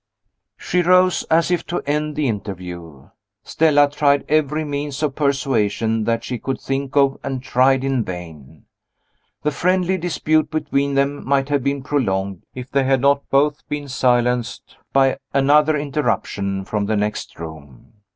She rose, as if to end the interview. Stella tried every means of persuasion that she could think of, and tried in vain. The friendly dispute between them might have been prolonged, if they had not both been silenced by another interruption from the next room.